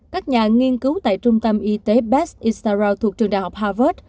các nhà nghiên cứu tại trung tâm y tế best israel thuộc trường đại học harvard